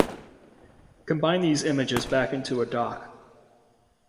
Combine these images back into a doc